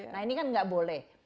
nah ini kan nggak boleh